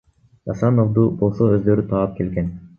Досоновду болсо өздөрү таап келген.